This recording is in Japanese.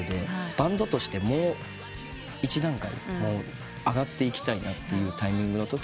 バンドとしてもう一段階上がっていきたいなってタイミングのときに。